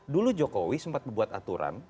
dulu jokowi sempat membuat aturan